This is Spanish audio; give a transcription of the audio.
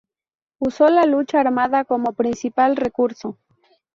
Usó la lucha armada como principal recurso.